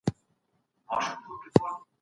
تاسو به د خپل ذهن په ارامۍ کي د ژوند خوند وینئ.